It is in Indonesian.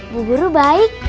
bu guru baik